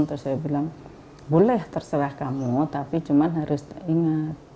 terus saya bilang boleh terserah kamu tapi cuma harus ingat